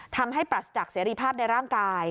ทำให้ปรัสจากเสรีภาพในร่างกาย